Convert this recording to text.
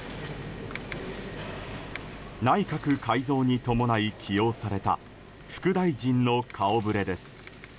内閣改造に伴い、起用された副大臣の顔ぶれです。